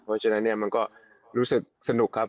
เพราะฉะนั้นเนี่ยมันก็รู้สึกสนุกครับ